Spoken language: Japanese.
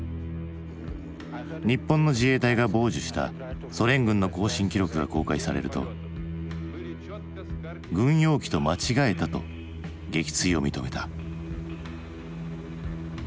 日本の自衛隊が傍受したソ連軍の交信記録が公開されると「軍用機と間違えた」と撃墜を認めた。